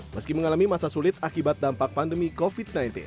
meski mengalami masa sulit akibat dampak pandemi covid sembilan belas